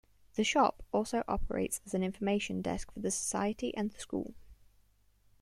The shop also operates as an information desk for the Society and the School.